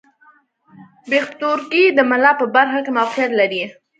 پښتورګي د ملا په برخه کې موقعیت لري.